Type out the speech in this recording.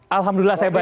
alhamdulillah saya baik